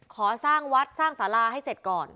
ขอสร้างวัดสร้างสาราให้เสร็จก่อน